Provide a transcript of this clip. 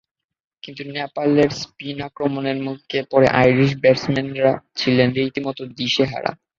কিন্তু নেপালের স্পিন আক্রমণের মুখে পড়ে আইরিশ ব্যাটসম্যানরা ছিলেন রীতিমতো দিশেহারা।